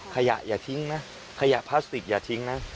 อย่าทิ้งนะขยะพลาสติกอย่าทิ้งนะ